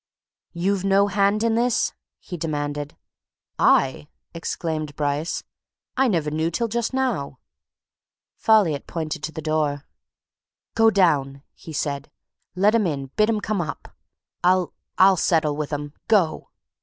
"You've no hand in this?" he demanded. "I?" exclaimed Bryce. "I never knew till just now!" Folliot pointed to the door. "Go down!" he said. "Let 'em in, bid 'em come up! I'll I'll settle with 'em. Go!"